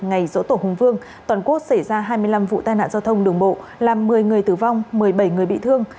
ngày dỗ tổ hùng vương toàn quốc xảy ra hai mươi năm vụ tai nạn giao thông đường bộ làm một mươi người tử vong một mươi bảy người bị thương